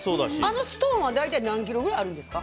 あのストーンは大体何キロくらいあるんですか？